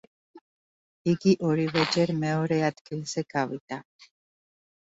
იგი ორივეჯერ მეორე ადგილზე გავიდა.